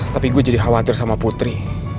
tapi gue jadi khawatir sama putri